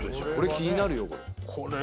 気になるよこれ。